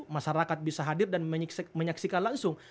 masyarakat bisa hadir dan menyaksikan langsung